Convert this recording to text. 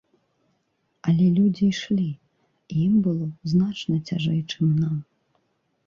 Але людзі ішлі, і ім было значна цяжэй, чым нам.